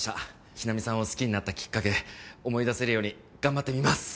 日菜美さんを好きになったきっかけ思い出せるように頑張ってみます！